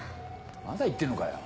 まだ言ってんのかよ。